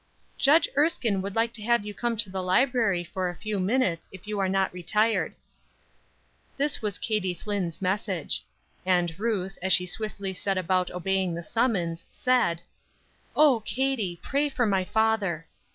"Judge Erskine would like to have you come to the library for a few minutes, if you have not retired." This was Katie Flinn's message. And Ruth, as she swiftly set about obeying the summons, said: "Oh, Katie, pray for father!"